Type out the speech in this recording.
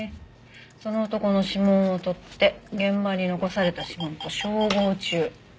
その男の指紋を採って現場に残された指紋と照合中。